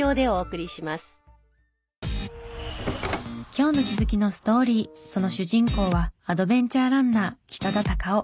今日の気づきのストーリーその主人公はアドベンチャーランナー北田雄